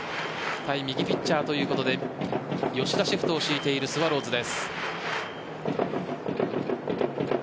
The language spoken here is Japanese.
対右ピッチャーということで吉田シフトを敷いているスワローズです。